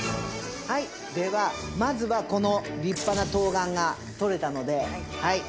はいではまずはこの立派な冬瓜が採れたのではい